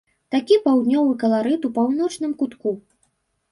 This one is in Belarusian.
Такі паўднёвы каларыт у паўночным кутку.